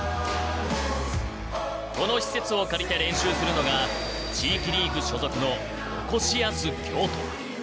この施設を借りて練習するのが地域リーグ所属のおこしやす京都。